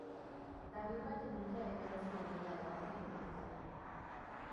David Vallenilla era un estudiante graduado en enfermería.